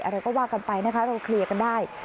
อะไรก็ว่ากันไปนะคะเราเคลียร์กันได้